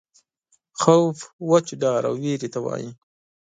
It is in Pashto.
خوف وچ ډار او وېرې ته وایي.